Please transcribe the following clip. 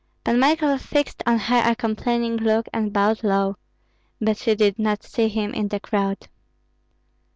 Pan Michael fixed on her a complaining look and bowed low, but she did not see him in the crowd.